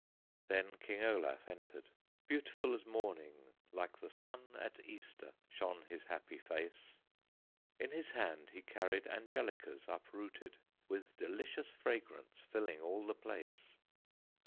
Then King Olaf entered, Beautiful as morning, Like the sun at Easter Shone his happy face; In his hand he carried Angelicas uprooted, With delicious fragrance Filling all the place.